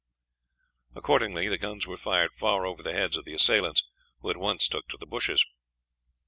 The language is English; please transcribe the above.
Accordingly the guns were fired far over the heads of the assailants, who at once took to the bushes.